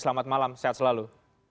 selamat malam sehat selalu